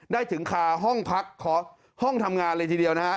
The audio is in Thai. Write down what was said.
ได้ถึงคาห้องพักขอห้องทำงานเลยทีเดียวนะฮะ